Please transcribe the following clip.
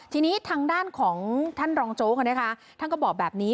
ทีนี้ทางด้านของท่านรองโจ๊กท่านก็บอกแบบนี้